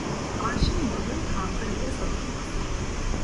Arşın malı kantar ile satılmaz.